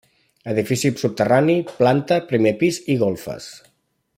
Edifici amb soterrani, planta, primer pis i golfes.